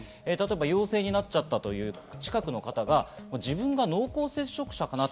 例えば陽性になっちゃったという近くの方が自分が濃厚接触者かなと。